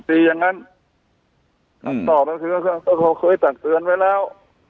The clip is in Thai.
ที่จอดเสือนไปแล้ว